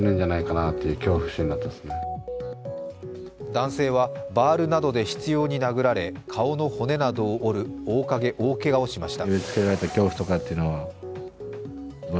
男性はバールなどで執ように殴られ顔の骨などを折る大けがを負いました。